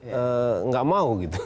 bukan ada yang bisa berpikir